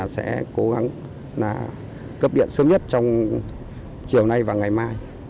sẽ cố gắng cấp điện sớm nhất trong chiều nay và ngày mai